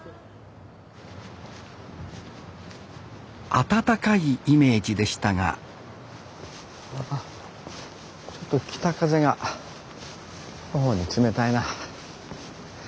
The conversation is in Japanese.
暖かいイメージでしたがちょっと北風が頬に冷たいな。